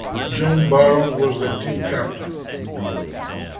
John Barron was the team captain.